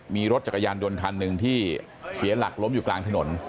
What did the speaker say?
มีรถจักรยานยนต์คันหนึ่งที่เสียหลักล้มอยู่กลางถนน